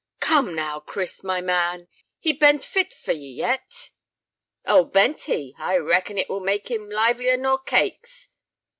"Come now, Chris, man, he ben't fit for ye yet." "Oh, ben't he? I reckon it will make him livelier nor cakes."